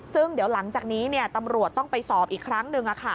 ซึ่งเดี๋ยวหลังจากนี้ตำรวจต้องไปสอบอีกครั้งหนึ่ง